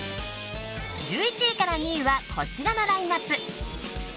１１位から２位はこちらのラインアップ。